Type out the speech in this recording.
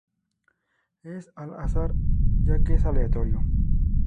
Es al azar ya que es aleatorio.